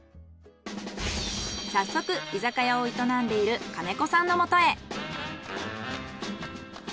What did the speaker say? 早速居酒屋を営んでいる兼子さんのもとへ。